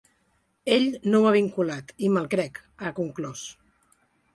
Ell no ho ha vinculat i me’l crec, ha conclòs.